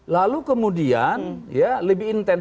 lalu kemudian ya lebih intens